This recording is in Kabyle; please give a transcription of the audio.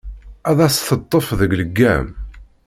Ad as-teṭṭef deg leggam.